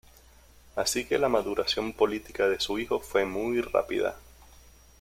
Así que la maduración política de su hijo fue muy rápida.